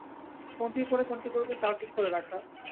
কোনটির পর কোনটি করবেন তা-ও ঠিক করে রাখা।